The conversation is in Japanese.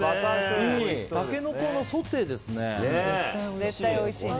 タケノコのソテーですね。